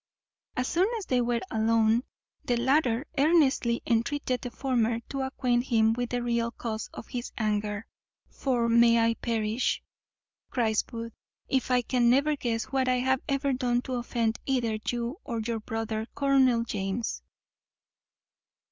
As soon as they were alone, the latter earnestly entreated the former to acquaint him with the real cause of his anger; "for may I perish," cries Booth, "if I can even guess what I have ever done to offend either you, or your brother. Colonel James."